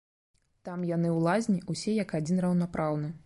Там яны ў лазні ўсе як адзін раўнапраўны.